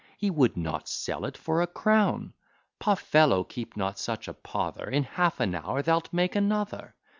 He would not sell it for a crown. Poh! fellow, keep not such a pother; In half an hour thou'lt make another.